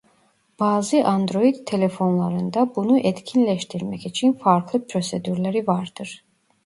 Bazı Android telefonlarında bunu etkinleştirmek için farklı prosedürleri vardır.